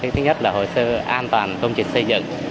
thứ nhất là hồ sơ an toàn công trình xây dựng